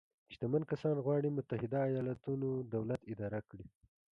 شتمن کسان غواړي متحده ایالتونو دولت اداره کړي.